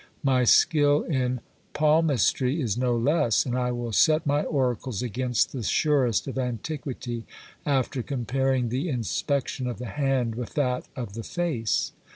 My skill in palmistry is no less, and I will set my oracles against the surest of antiquity, after comparing the inspection of the hand with that of the face.